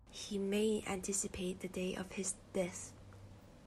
He may anticipate the day of his death.